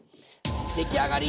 出来上がり！